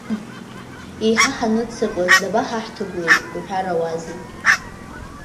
Еиҳа ҳаныццакуаз дабаҳахҭыгәлеи, уҳәарауазеи?